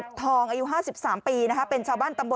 เจอเขาแล้ว